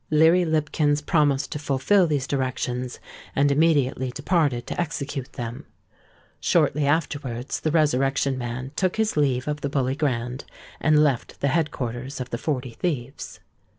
Leary Lipkins promised to fulfil these directions, and immediately departed to execute them. Shortly afterwards the Resurrection Man took his leave of the Bully Grand, and left the head quarters of the Forty Thieves.